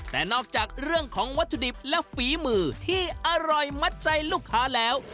แต่นอกจากเรื่องของวัตถุดิบและฝีมือที่อร่อยมัดใจลูกค้าแล้ว